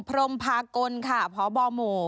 พรมพากลค่ะพบโม